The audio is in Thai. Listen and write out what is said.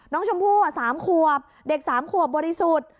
น้องชมพู่๓ขวบเด็ก๓ขวบบริสุทธิ์